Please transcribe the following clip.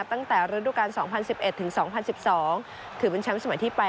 ตั้งแต่ฤดูการ๒๐๑๑ถึง๒๐๑๒ถือเป็นแชมป์สมัยที่๘